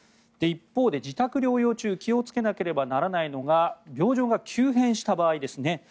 一方で自宅療養中気をつけなければならないのが病状が急変した場合です。